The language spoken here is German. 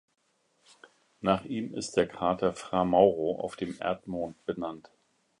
Nach ihm ist der Krater Fra Mauro auf dem Erdmond benannt.